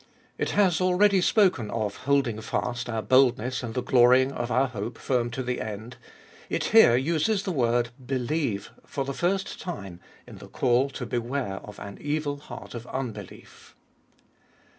It has already spoken of " holding fast our boldness and the glorying of our hope firm to the end "; it here uses the word " believe " for the first time in the call to beware of an evil heart of unbelief.